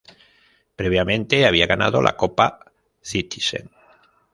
Previamente había ganado la Copa Citizen.